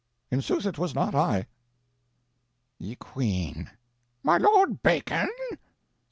In sooth it was not I. Ye Queene. My lord Bacon?